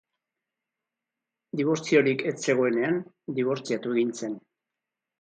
Dibortziorik ez zegoenean, dibortziatu egin zen.